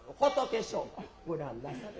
ご覧なされ。